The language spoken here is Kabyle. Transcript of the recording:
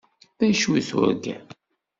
D acu i turgam?